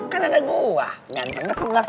kan ada gue ganteng ke sebelah dua belas